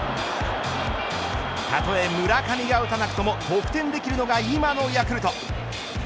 たとえ村上が打たなくとも得点できるのが今のヤクルト。